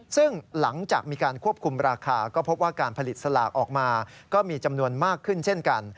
ซึ่งหลังจากมีการควบคุมราคาก็พบว่าการผลิตสลากออกมาก็มีจำนวนมากขึ้นเช่นกัน